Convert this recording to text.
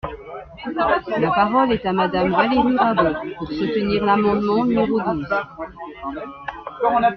La parole est à Madame Valérie Rabault, pour soutenir l’amendement numéro douze.